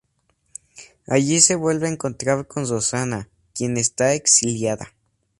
Allí se vuelve a encontrar con Rosana, quien está exiliada.